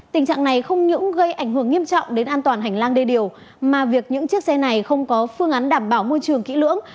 tình trạng này không những gây ảnh hưởng nghiêm trọng đến an toàn hành lang đê điều mà việc những chiếc xe này không có phương án đảm bảo môi trường kỹ lưỡng